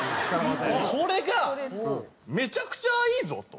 これがめちゃくちゃいいぞと。